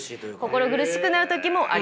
心苦しくなる時もあります。